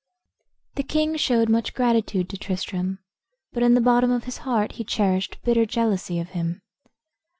The king showed much gratitude to Tristram, but in the bottom of his heart he cherished bitter jealousy of him.